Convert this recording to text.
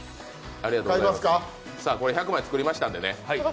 これ１００枚作りましたんでね。